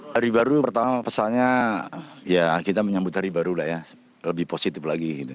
hari baru pertama pesannya ya kita menyambut hari baru lah ya lebih positif lagi gitu